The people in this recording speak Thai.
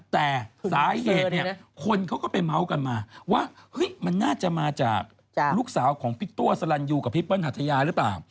แต่สาเหตุเนี่ยคนเขาก็ไปเมาส์กันมาว่ามันน่าจะมาจากลูกสาวของพี่ตัวสลันยูกับพี่เปิ้ลหัทยาหรือเปล่า